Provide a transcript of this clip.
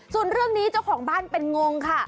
ส่วนเรื่องนี้เจ้าของบ้านเป็นงงค่ะ